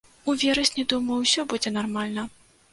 У верасні, думаю, усё будзе нармальна.